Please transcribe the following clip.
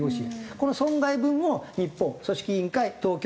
この損害分を日本組織委員会東京都。